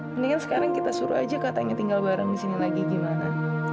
mendingan sekarang kita suruh aja katanya tinggal bareng di sini lagi gimana